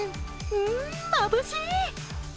ん、まぶしい。